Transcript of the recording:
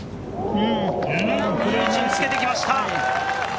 いい位置につけてきました。